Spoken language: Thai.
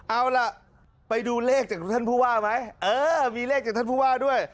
เอาล่ะไปดูเลขจากท่านผู้ว่าไหมเออมีเลขจากท่านผู้ว่าด้วย